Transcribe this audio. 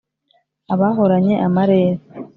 abahoranye amarere